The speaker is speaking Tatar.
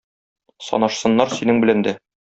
Санашсыннар синең белән дә.